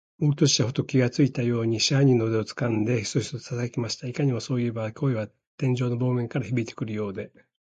大鳥氏はふと気がついたように、支配人の腕をつかんで、ヒソヒソとささやきました。いかにも、そういえば、声は天井の方角からひびいてくるようです。